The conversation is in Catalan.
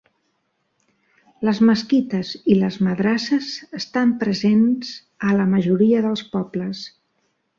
Les mesquites i les madrasses estan presents a la majoria dels pobles.